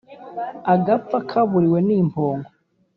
agapfa kaburiwe ni mpongo